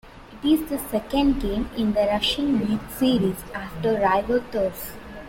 It is the second game in the "Rushing Beat" series, after "Rival Turf!